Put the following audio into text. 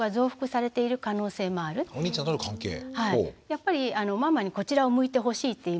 やっぱりママにこちらを向いてほしいっていいますか。